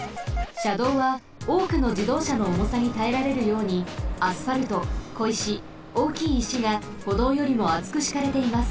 しゃどうはおおくのじどうしゃのおもさにたえられるようにアスファルトこいしおおきいいしがほどうよりもあつくしかれています。